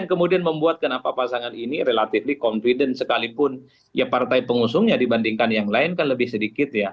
jadi ini relatifly confident sekalipun ya partai pengusungnya dibandingkan yang lain kan lebih sedikit ya